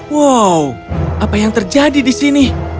wow apa yang terjadi di sini